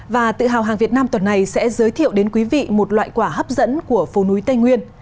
và tự hào hàng việt nam tuần này sẽ giới thiệu đến quý vị một loại quả hấp dẫn của phố núi tây nguyên